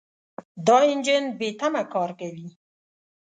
دا انجن بېتمه کار کوي.